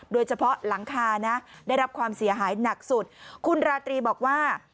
โดยเฉพาะหลังคานะได้รับความเสียหายหนักสุดคุณราตรีบอกว่า